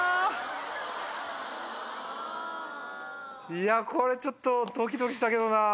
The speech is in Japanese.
いやこれちょっとドキドキしたけどなぁ。